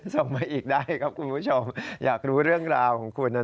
ส่งมาอีกได้ครับคุณผู้ชมอยากรู้เรื่องราวของคุณนะ